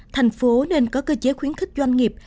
thành phố nên có cơ chế khuyến khích doanh nghiệp